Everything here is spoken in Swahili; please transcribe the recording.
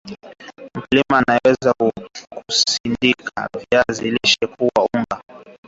mkulima anaweza kusindika viazi lishe kuwa unga